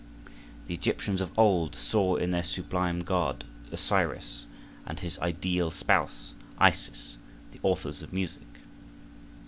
The Egyptians of old saw in their sublime god, Osiris, and his ideal spouse, Isis, the authors of music.